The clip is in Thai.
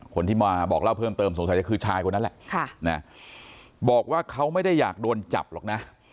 คนที่มาบอกเล่าเพิ่มเติมสงสัยจะคือชายคนนั้นแหละบอกว่าเขาไม่ได้อยากโดนจับหรอกนะ